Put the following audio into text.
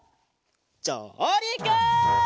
じょうりく！